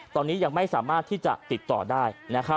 ตอนนี้ยังไม่สามารถที่จะติดต่อได้